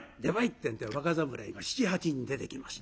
ってんで若侍が７８人出てきます。